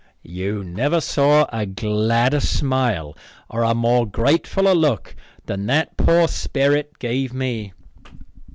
You never saw a gladder smile or a more gratefuller look than that poor sperrit gave me.